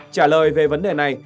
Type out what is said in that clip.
trả lời về vấn đề này